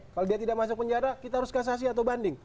kalau dia tidak masuk penjara kita harus kasasi atau banding